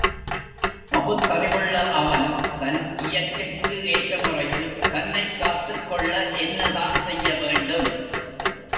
பகுத்தறிவுள்ள அவன் தன் இயற்கைக்கு ஏற்ற முறையில் தன்னைக் காத்துக்கொள்ள என்ன தான் செய்யவேண்டும்?